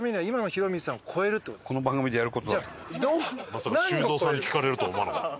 まさか修造さんに聞かれるとは思わなかった。